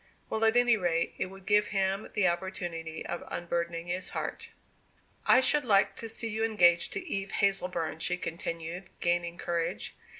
Well, at any rate it would give him the opportunity of unburdening his heart. "I should like to see you engaged to Eve Hazleburn," she continued, gaining courage.